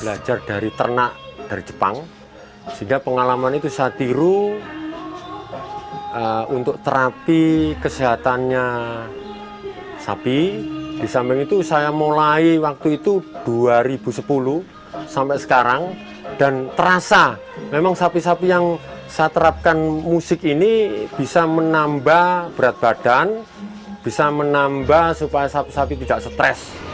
musik ini bisa menambah berat badan bisa menambah supaya sapi sapi tidak stres